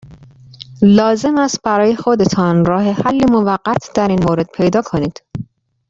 لازم است برای خودتان راه حلی موقت در این مورد پیدا کنید.